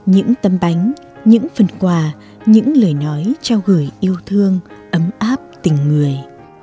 những tấm bánh những phần quà những lời nói trao gửi yêu thương ấm áp tình người